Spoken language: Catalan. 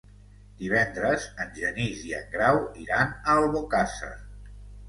Divendres en Genís i en Grau iran a Albocàsser.